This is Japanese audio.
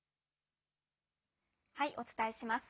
お伝えします。